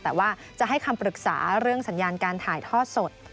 แต่ว่าจะให้คำปรึกษาเรื่องสัญญาการถ่ายทอดสด